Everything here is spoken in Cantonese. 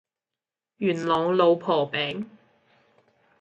元朗老婆餅